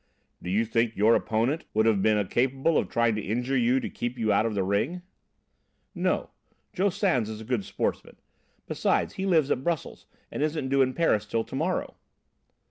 "Do you think your opponent would have been capable of trying to injure you to keep you out of the ring?" "No, Joe Sans is a good sportsman; besides, he lives at Brussels, and isn't due in Paris till to morrow."